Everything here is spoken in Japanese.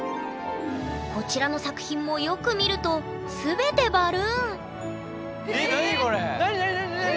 こちらの作品もよく見ると全てバルーン。